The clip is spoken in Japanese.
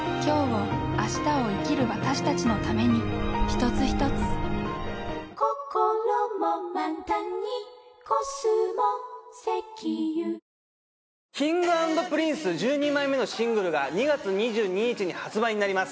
糖質ゼロＫｉｎｇ＆Ｐｒｉｎｃｅ１２枚目のシングルが２月２２日に発売になります。